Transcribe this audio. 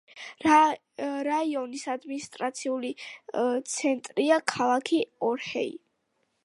რაიონის ადმინისტრაციული ცენტრია ქალაქი ორჰეი.